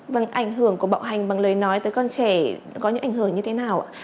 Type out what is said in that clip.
vâng ảnh hưởng của bạo hành bằng lời nói tới con trẻ có những ảnh hưởng như thế nào ạ